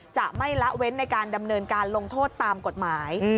จะไม่ละเว้นในการดำเนินการลงโทษตามกฎหมาย